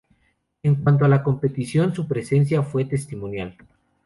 En cuanto a la competición, su presencia fue testimonial.